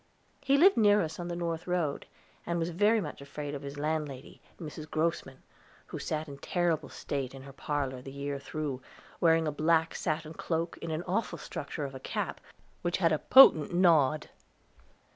He lived near us on the north road, and was very much afraid of his landlady, Mrs. Grossman, who sat in terrible state in her parlor, the year through, wearing a black satin cloak and an awful structure of a cap, which had a potent nod.